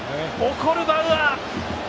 怒るバウアー！